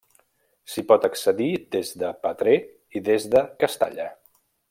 S'hi pot accedir des de Petrer i des de Castalla.